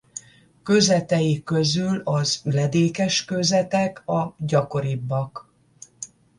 Kőzetei közül az üledékes kőzetek a gyakoribbak.